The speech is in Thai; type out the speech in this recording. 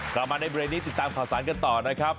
กลับมาในเบรกนี้ติดตามข่าวสารกันต่อนะครับ